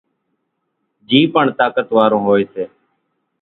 جھِي پڻ طاقت وارون هوئيَ سي۔